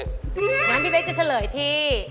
แล้งานพี่เบ๊กก็จะเฉลยที